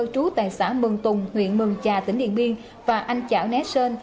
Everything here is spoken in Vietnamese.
chú tại xã mừng tùng huyện mường trà tỉnh điện biên và anh chảo né sơn